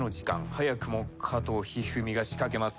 早くも加藤一二三が仕掛けます。